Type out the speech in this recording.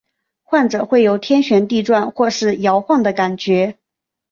患者会有天旋地转或是摇晃的感觉。